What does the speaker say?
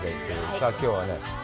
さあ、きょうはね。